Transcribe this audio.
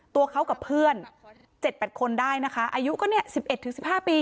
ตัวเขากับเพื่อนเจ็ดแปดคนได้นะคะอายุก็เนี่ยสิบเอ็ดถึงสิบห้าปี